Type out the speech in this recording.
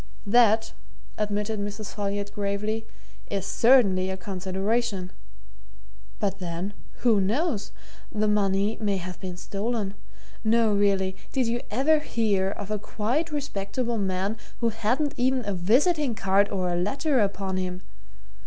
"That," admitted Mrs. Folliot gravely, "is certainly a consideration. But then, who knows? the money may have been stolen. Now, really, did you ever hear of a quite respectable man who hadn't even a visiting card or a letter upon him?